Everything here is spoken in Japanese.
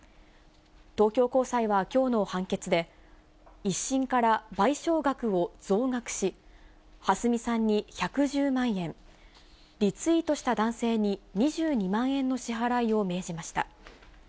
東京高裁はきょうの判決で、１審から賠償額を増額し、はすみさんに１１０万円、リツイートした男性に２２万円の支払いを命じました。